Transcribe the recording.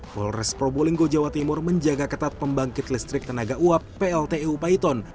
polres pro bolinggo jawa timur menjaga ketat pembangkit listrik tenaga uap plt eu paiton